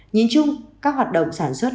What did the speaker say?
nhìn chung các hoạt động sản xuất